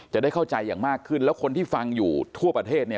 จะได้เข้าใจอย่างมากขึ้นแล้วคนที่ฟังอยู่ทั่วประเทศเนี่ย